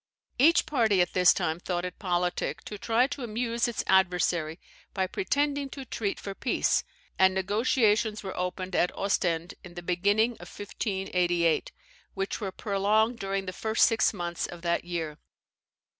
Each party at this time thought it politic to try to amuse its adversary by pretending to treat for peace, and negotiations were opened at Ostend in the beginning of 1588, which were prolonged during the first six months of that year.